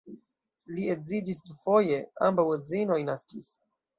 Li edziĝis dufoje, ambaŭ edzinoj naskis.